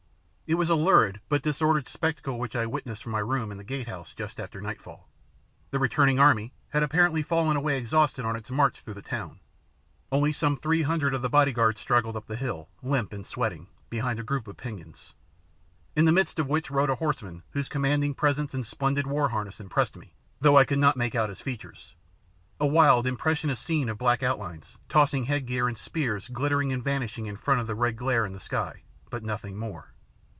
It was a lurid but disordered spectacle which I witnessed from my room in the gate house just after nightfall. The returning army had apparently fallen away exhausted on its march through the town; only some three hundred of the bodyguard straggled up the hill, limp and sweating, behind a group of pennons, in the midst of which rode a horseman whose commanding presence and splendid war harness impressed me, though I could not make out his features; a wild, impressionist scene of black outlines, tossing headgear, and spears glittering and vanishing in front of the red glare in the sky, but nothing more.